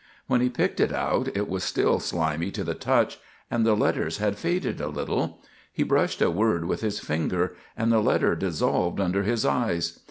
When he picked it out it was still slimy to the touch, and the letters had faded a little. He brushed a word with his finger, and the letters dissolved under his eyes.